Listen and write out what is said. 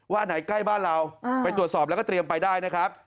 อันไหนใกล้บ้านเราไปตรวจสอบแล้วก็เตรียมไปได้นะครับ